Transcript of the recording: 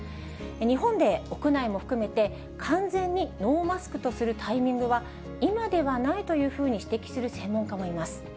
日本で屋内も含めて、完全にノーマスクとするタイミングは、今ではないというふうに指摘する専門家もいます。